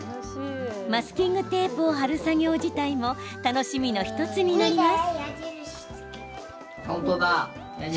マスキングテープを貼る作業自体も楽しみの１つになります。